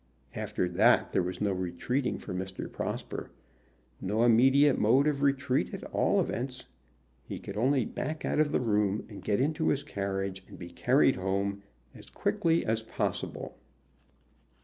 After that there was no retreating for Mr. Prosper, no immediate mode of retreat, at all events. He could only back out of the room, and get into his carriage, and be carried home as quickly as possible.